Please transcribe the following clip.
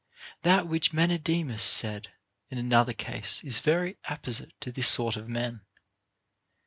That which Menedemus said in another case is very apposite to this sort of men.